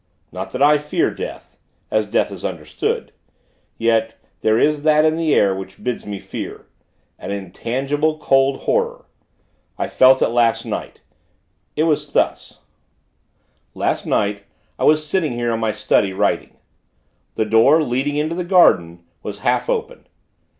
Not that I fear death as death is understood. Yet, there is that in the air, which bids me fear an intangible, cold horror. I felt it last night. It was thus: Last night, I was sitting here in my study, writing. The door, leading into the garden, was half open.